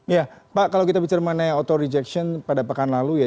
ya pak kalau kita bicara mengenai auto rejection pada pekan lalu ya